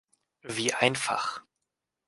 Wie einfach!